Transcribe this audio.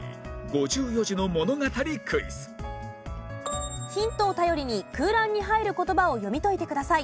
５４字の物語クイズヒントを頼りに空欄に入る言葉を読み解いてください。